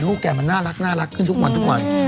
แกมันน่ารักขึ้นทุกวันทุกวัน